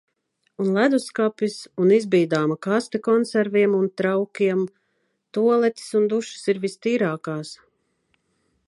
Un ledusskapis, un izbīdāma kaste konserviem un traukiem... Tualetes un dušas ir vistīrākās!